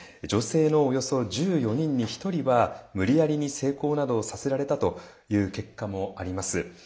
女性のおよそ１４人に１人は無理やりに性交などをさせられたという結果もあります。